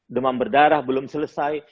demam berdarah belum selesai